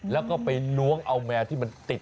แล้วก็ไปล้วงเอาแมวที่มันติด